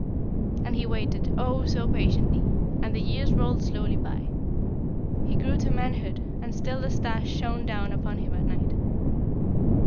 "And he waited, oh! so patiently, and the years rolled slowly by. He grew to manhood, and still the star shone down upon him at night.